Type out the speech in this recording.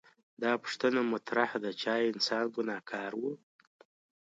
دا پوښتنه مطرح ده چې ایا انسان ګنهګار و؟